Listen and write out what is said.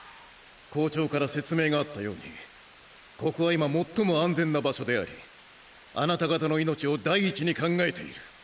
校長から説明があったようにここは今最も安全な場所でありあなた方の命を第一に考えている！